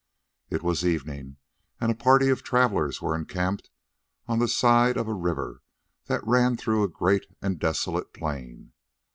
It was evening, and a party of travellers were encamped on the side of a river that ran through a great and desolate plain.